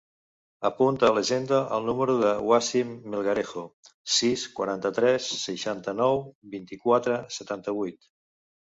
Apunta a l'agenda el número del Wassim Melgarejo: sis, quaranta-tres, seixanta-nou, vint-i-quatre, setanta-vuit.